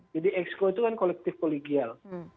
jadi exco itu kan kolektif poligial